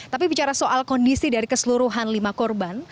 tapi bicara soal kondisi dari keseluruhan lima korban